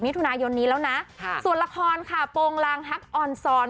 มิถุนายนนี้แล้วนะส่วนละครค่ะโปรงลางฮักออนซอน